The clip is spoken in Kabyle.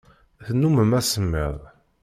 Tennummem asemmiḍ.